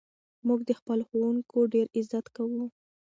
موږ د خپلو ښوونکو ډېر عزت کوو.